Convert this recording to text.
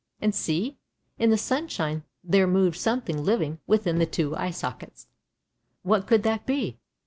And see! in the sunshine there moved something living within the two eye sockets. What could that be?